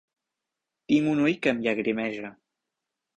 Tinc un ull que em llagrimeja.